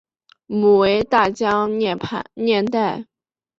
母为大江磐代。